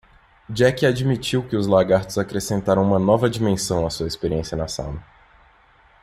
Jack admitiu que os lagartos acrescentaram uma nova dimensão à sua experiência na sauna.